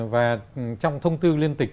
và trong thông tư liên tịch